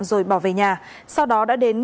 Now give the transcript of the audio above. rồi bỏ về nhà sau đó đã đến